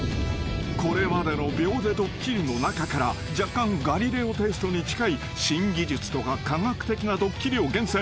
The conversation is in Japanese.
［これまでの秒でドッキリの中から若干『ガリレオ』テイストに近い新技術とか科学的なドッキリを厳選］